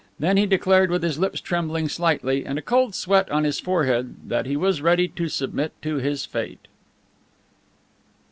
Then he declared, with his lips trembling slightly, and a cold sweat on his forehead, that he was ready to submit to his fate.